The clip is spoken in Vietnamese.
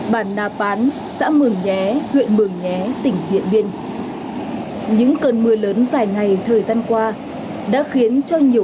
bản nạp bán xã mường nhé